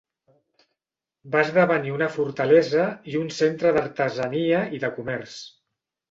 Va esdevenir una fortalesa i un centre d'artesania i de comerç.